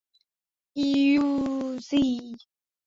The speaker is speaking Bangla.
ইইই, জি।